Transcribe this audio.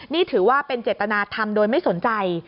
นี่ถือว่าเป็นเจตนาธรรมโดยไม่สนใจ